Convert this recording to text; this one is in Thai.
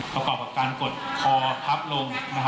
ประกอบกับการกดคอพับลง